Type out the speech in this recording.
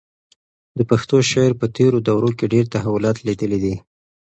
د پښتو شعر په تېرو دورو کې ډېر تحولات لیدلي دي.